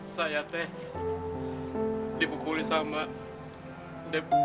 saya teh dibukuli sama dep